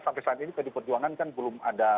sampai saat ini pdi perjuangan kan belum ada